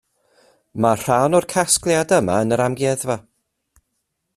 Mae rhan o'r casgliad yma yn yr amgueddfa